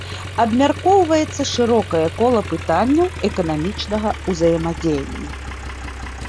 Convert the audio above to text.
Абмяркоўваецца шырокае кола пытанняў эканамічнага ўзаемадзеяння.